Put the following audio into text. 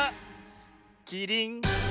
キリン！